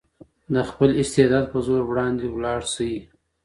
د خپل استعداد په زور وړاندې لاړ شئ.